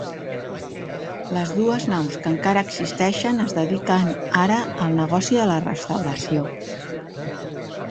Les dues naus que encara existeixen es dediquen ara al negoci de la restauració.